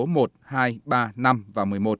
số một hai ba năm và một mươi một